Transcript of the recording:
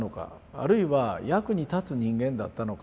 あるいは役に立つ人間だったのか？